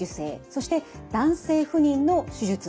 そして男性不妊の手術なんです。